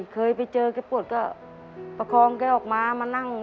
เคยไปเจอแกปวดก็ประคองแกออกมามานั่ง